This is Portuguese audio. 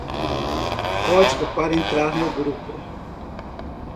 Código para entrar no grupo